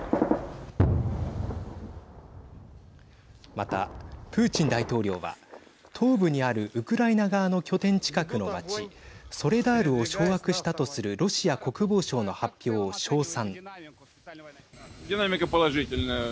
また、プーチン大統領は東部にあるウクライナ側の拠点近くの町ソレダールを掌握したとするロシア国防省の発表を称賛。